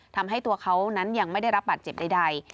ทำให้ตัวเขานั้นยังไม่ได้รับบัตรเจ็บใด